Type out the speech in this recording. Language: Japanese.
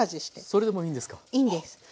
それでもいいんですか？